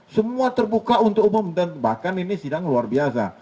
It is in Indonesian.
semua terbuka untuk umum dan bahkan ini sidang luar biasa